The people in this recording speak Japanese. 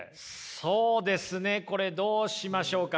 そうですねこれどうしましょうかね。